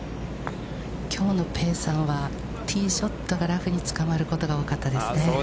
きょうのペさんはティーショットがラフにつかまることが多かったですね。